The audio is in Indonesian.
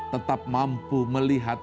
tetap mampu melihat